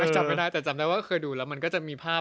จำไม่ได้แต่จำได้ว่าเคยดูแล้วมันก็จะมีภาพ